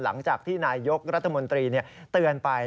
หลังจากที่นายยกรัฐมนตรีเตือนไป